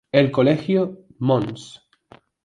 El Colegio Mons.